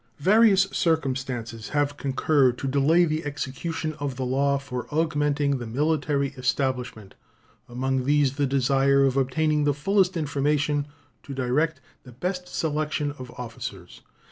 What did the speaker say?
Various circumstances have concurred to delay the execution of the law for augmenting the military establishment, among these the desire of obtaining the fullest information to direct the best selection of officers.